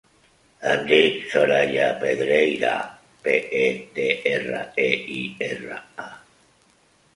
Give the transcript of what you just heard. Em dic Soraya Pedreira: pe, e, de, erra, e, i, erra, a.